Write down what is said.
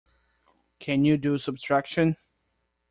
Can you do subtraction?